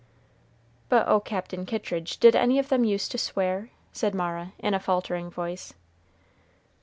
"But oh, Captain Kittridge, did any of them use to swear?" said Mara, in a faltering voice.